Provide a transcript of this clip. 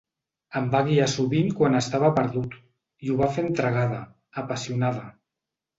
Em va guiar sovint quan estava perdut, i ho va fer entregada, apassionada.